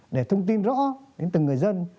để thông tin rõ đến từng người dân